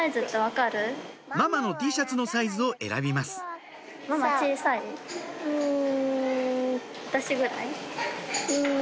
ママのＴシャツのサイズを選びますうん。